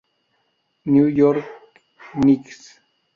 New York Knicks